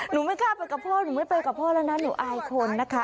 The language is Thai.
ไม่กล้าไปกับพ่อหนูไม่ไปกับพ่อแล้วนะหนูอายคนนะคะ